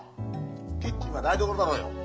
キッチンは台所だろうよ。